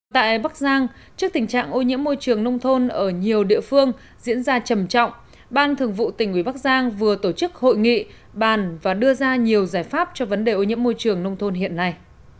tại bắc giang trước tình trạng ô nhiễm môi trường nông thôn ở nhiều địa phương diễn ra trầm trọng ban thường vụ tỉnh uỷ bắc giang vừa tổ chức hội nghị bàn và đưa ra nhiều giải pháp cho vấn đề ô nhiễm môi trường nông thôn hiện nay